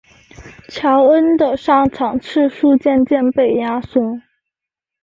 乔恩的上场次数渐渐被压缩。